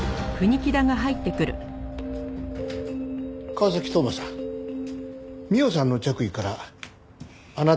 川崎斗真さん美緒さんの着衣からあなたのＤＮＡ